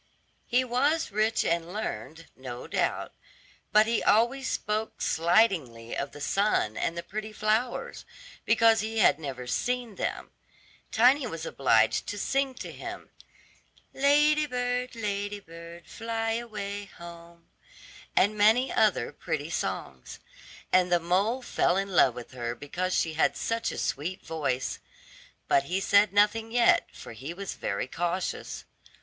He was rich and learned, no doubt, but he always spoke slightingly of the sun and the pretty flowers, because he had never seen them. Tiny was obliged to sing to him, "Lady bird, lady bird, fly away home," and many other pretty songs. And the mole fell in love with her because she had such a sweet voice; but he said nothing yet, for he was very cautious.